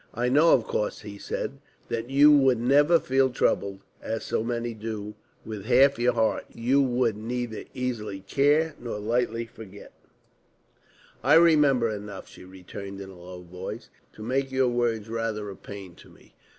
"I know, of course," he said, "that you would never feel trouble, as so many do, with half your heart. You would neither easily care nor lightly forget." "I remember enough," she returned in a low voice, "to make your words rather a pain to me.